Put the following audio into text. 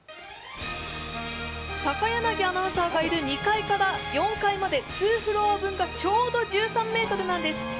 高柳アナウンサーがいる２階から４階まで、２フロア分がちょうど１３ｍなんです。